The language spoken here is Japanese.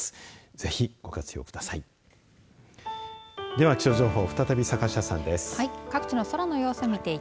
ぜひ、ご活用ください。